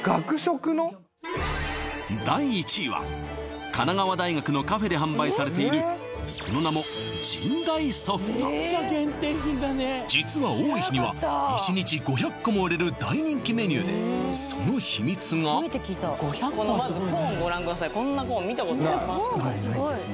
第１位は神奈川大学のカフェで販売されているその名も実は多い日には１日５００個も売れる大人気メニューでその秘密がこのまずコーンをご覧くださいないないですね